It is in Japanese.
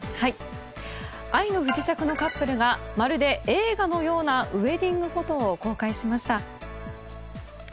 「愛の不時着」のカップルが、まるで映画のようなウェディングフォトを公開しました。